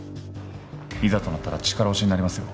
いざとなったら力押しになりますよ。